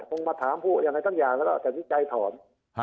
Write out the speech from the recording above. ต้องมาถามผู้อย่างไรตั้งอย่างแล้วแต่สินใจถอน